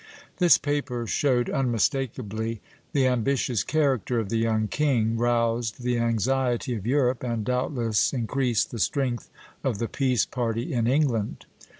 This paper showed unmistakably the ambitious character of the young king, roused the anxiety of Europe, and doubtless increased the strength of the peace party in England.